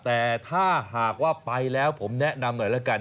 แต่ถ้าหากว่าไปแล้วผมแนะนำหน่อยแล้วกัน